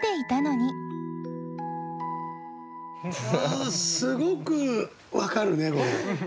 あすごく分かるねこれ。